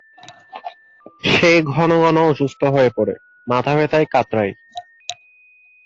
সে ঘন ঘন অসুস্থ হয়ে পরে, মাথাব্যথায় কাতরায়।